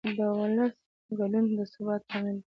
د ولس ګډون د ثبات لامل دی